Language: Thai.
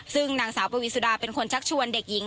ซึ่งนางสาวปวีสุดาเป็นคนชักชวนเด็กหญิง